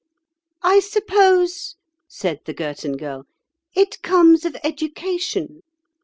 "I suppose," said the Girton Girl, "it comes of education.